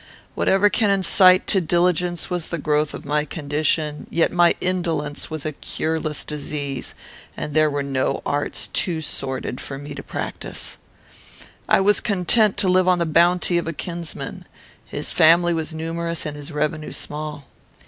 Whatever can incite to diligence was the growth of my condition; yet my indolence was a cureless disease; and there were no arts too sordid for me to practise. "I was content to live on the bounty of a kinsman. His family was numerous, and his revenue small.